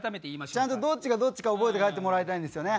ちゃんとどっちがどっちか覚えて帰ってもらいたいんですよね。